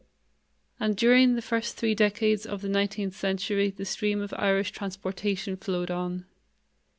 And during the first three decades of the nineteenth century the stream of Irish transportation flowed on.